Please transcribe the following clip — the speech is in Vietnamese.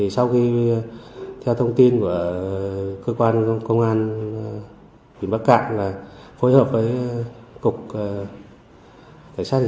sau khi theo thông tin của cơ quan công an quỹ bắt cạn là phối hợp với cục cảnh sát hình sự với interpol là